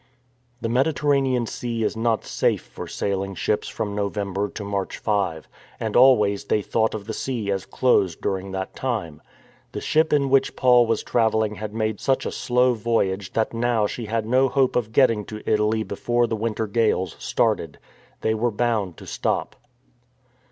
The Mediterranean Sea is not safe for sailing ships from November to March 5, and always they thought of the sea as closed during that time. The ship in which Paul was travelling had made such a slow voyage that now she had no hope of getting to Italy before the winter gales started. They were bound to stop.